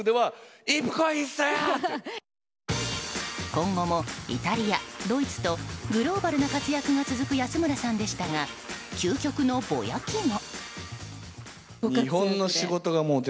今後もイタリア、ドイツとグローバルな活躍が続く安村さんでしたが究極のボヤキも。